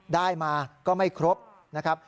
ได้มาก็ไม่ครบนะครับ